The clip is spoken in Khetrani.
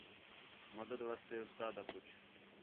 مدد واسطے اُستاد آ پُچھ